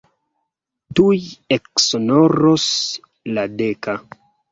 Tuj eksonoros la deka.